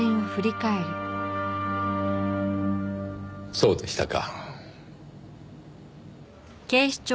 そうでしたか。